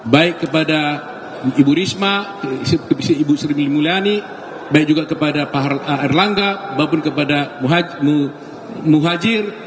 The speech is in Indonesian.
baik kepada ibu risma ibu sri mulyani baik juga kepada pak erlangga maupun kepada muhajir